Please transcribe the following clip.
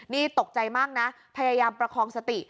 นี่ตกใจมากนะพยายามประคองสติ